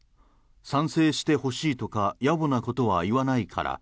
賛成してほしいとか野暮なことは言わないから。